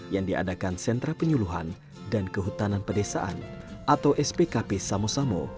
yang diadakan sentra penyuluhan dan kehutanan pedesaan atau spkp samo samo